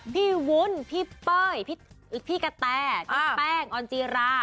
วุ้นพี่เป้ยพี่กะแตพี่แป้งออนจีรา